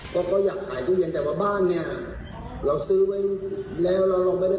เขาก็อยากขายตู้เย็นแต่ว่าบ้านนี่